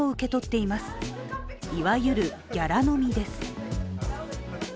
いわゆるギャラ飲みです。